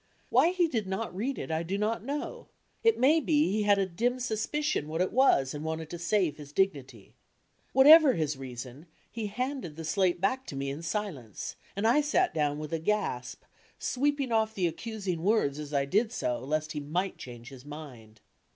Why he did not read it I do not know, it may be he had a dim suspicion what it was and wanted to save his dignity. Whatever his reason, he handed die slate back to me in silence, and.I sat down with a gasp, sweeping off the accusing words as I did so lest he might change his mind.